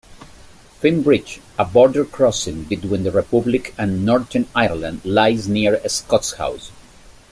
Finn Bridge, a border crossing between the Republic and Northern Ireland, lies near Scotshouse.